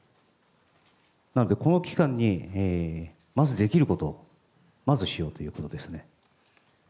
なのでこの期間にまずできることをまずしようということですね。